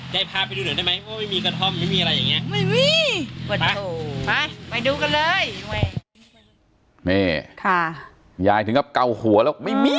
คุณได้ฝูกันเยอะใช่ไหมไม่มี